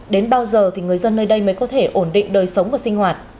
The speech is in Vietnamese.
đến bao giờ thì người dân nơi đây mới có thể ổn định đời sống và sinh hoạt